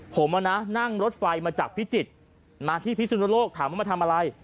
ผมนั่งรถไฟมาจากพิจิตรมาที่พิสุนโลกถามว่ามาทำอะไร